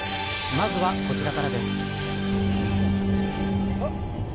まずは、こちらからです。